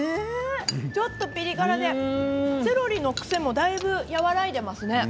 ちょっとピリ辛でセロリの方でもだいぶ和らいでいますね。